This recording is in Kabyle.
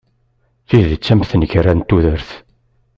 Tidet am tenkerra n tudert.